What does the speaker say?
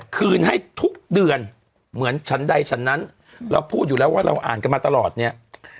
คืนให้ทุกเดือนเหมือนฉันใดฉันนั้นเราพูดอยู่แล้วว่าเราอ่านกันมาตลอดเนี่ย